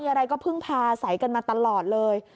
อะไรก็พึ่งพาใส่กันมาตลอดเลย